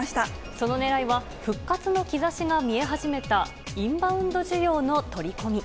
そのねらいは、復活の兆しが見え始めたインバウンド需要の取り込み。